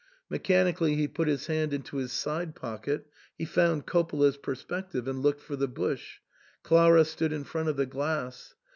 Mechanically he put his hand into his side pocket ; he found Coppola's perspective and looked for the bush ; Clara stood in front of the glass.